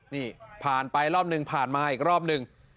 นี่ผ่านไปรอบหนึ่งผ่านมาอีกรอบหนึ่ง